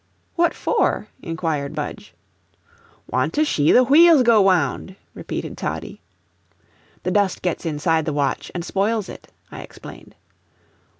"What for?" inquired Budge. "Want to shee the wheels go wound," repeated Toddie. "The dust gets inside the watch and spoils it," I explained.